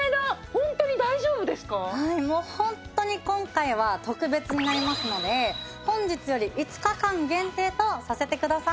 はいもうホントに今回は特別になりますので本日より５日間限定とさせてください。